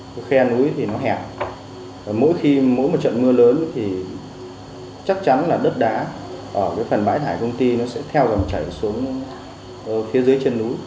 cái khe núi thì nó hẹp mỗi khi mỗi một trận mưa lớn thì chắc chắn là đất đá ở phần bãi thải công ty nó sẽ theo dòng chảy xuống phía dưới chân núi